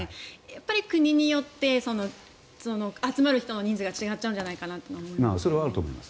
やっぱり国によって集まる人の人数が違っちゃうんじゃないかと。